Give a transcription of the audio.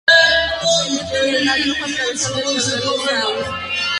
Penetra en el mar Rojo atravesando el canal de Suez.